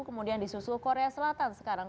kemudian di susul korea selatan sekarang